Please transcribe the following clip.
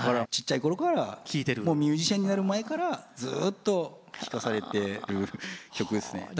ちっちゃいころから聴いてるミュージシャンになる前からずっと聴かされてる曲ですね。